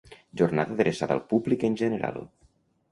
Jornada adreçada al públic en general.